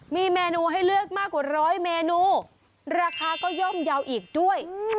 มีเมนูให้เลือกมากกว่าร้อยเมนูราคาก็ย่อมเยาว์อีกด้วย